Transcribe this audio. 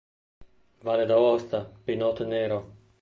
Valle d'Aosta Pinot Nero